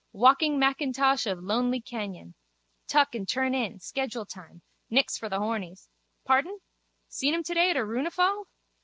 Walking Mackintosh of lonely canyon. Tuck and turn in. Schedule time. Nix for the hornies. Pardon? Seen him today at a runefal?